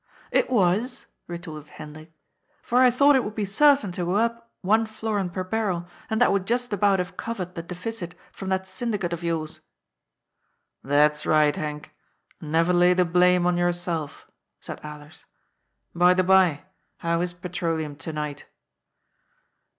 " It was," retorted Hendrik, " for I thought it would be certain to go up one florin per barrel, and that would just about have covered the deficit from that syndicate of yours." " That's right, Henk. Never lay the blame on yourself," said Alers. " By the bye, how is petroleum to night